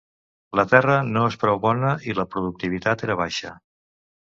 La terra no és prou bona i la productivitat era baixa.